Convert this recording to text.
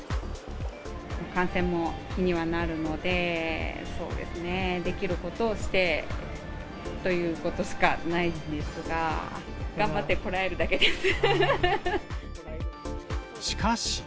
感染も気にはなるので、そうですね、できることをしてということしかないんですが、頑張ってこらえるしかし。